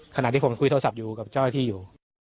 ขณะที่ผมคุยโทรศัพท์อยู่กับเจ้าหน้าที่อยู่